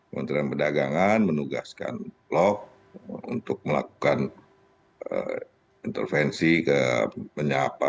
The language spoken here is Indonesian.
menteri perdagangan menugaskan lo untuk melakukan intervensi ke penyapa